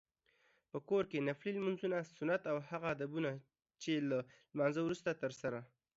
په کور کې نفلي لمونځونه، سنت او هغه ادبونه چې له لمانځته وروسته ترسره